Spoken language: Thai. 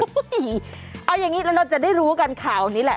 เอาอย่างนี้เราจะได้รู้กันข่าวนี้แหละ